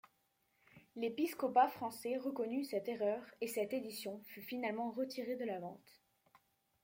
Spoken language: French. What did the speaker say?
L’épiscopat français reconnut cette erreur et cette édition fut finalement retirée de la vente.